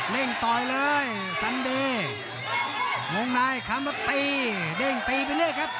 เร่งต่อยเลยสันเบศ์วงนายคำตีเด่งตีไปเร็วครับ